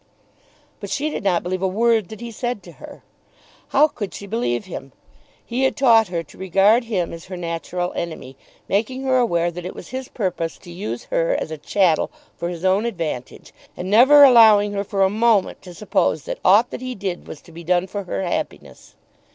But she did not believe a word that he said to her. How could she believe him? He had taught her to regard him as her natural enemy, making her aware that it was his purpose to use her as a chattel for his own advantage, and never allowing her for a moment to suppose that aught that he did was to be done for her happiness.